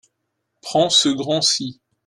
Prends ce grand-ci.